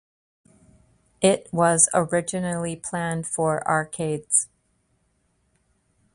It was originally planned for arcades.